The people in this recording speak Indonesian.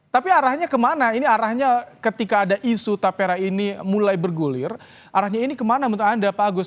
tapi arahnya kemana ini arahnya ketika ada isu tapera ini mulai bergulir arahnya ini kemana menurut anda pak agus